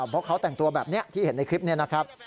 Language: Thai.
เพราะเขาแต่งตัวแบบนี้ที่เห็นในคลิปนี้นะครับ